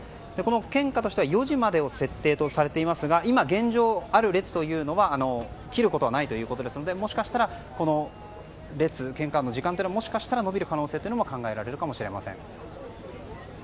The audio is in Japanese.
献花としては４時までを設定されていますが今現状ある列は切ることがないということなのでもしかしたら列、献花の時間も延びる可能性も考えられるかもしれません。